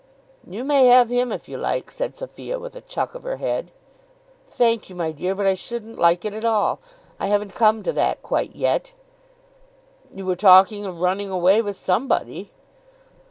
"You may have him if you like," said Sophia, with a chuck of her head. "Thank you, my dear, but I shouldn't like it at all. I haven't come to that quite yet." "You were talking of running away with somebody."